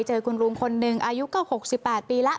ไปเจอกลุงลูกคนนึงอายุกว่า๖๘ปีแล้ว